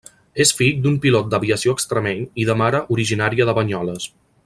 És fill d'un pilot d'aviació extremeny i de mare originària de Banyoles.